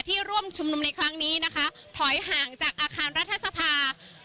ร่วมชุมนุมในครั้งนี้นะคะถอยห่างจากอาคารรัฐสภา